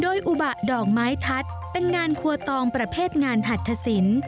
โดยอุบะดอกไม้ทัศน์เป็นงานครัวตองประเภทงานหัตถสิน